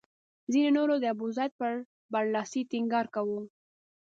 ځینو نورو د ابوزید پر برلاسي ټینګار کاوه.